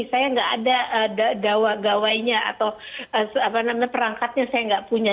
saya nggak ada gawainya atau perangkatnya saya nggak punya